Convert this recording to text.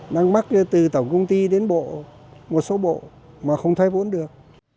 đang mắc từ tổng công ty đến bộ một số bộ mà không thoái vốn được